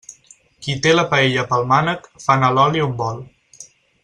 Qui té la paella pel mànec, fa anar l'oli on vol.